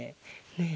ねえ！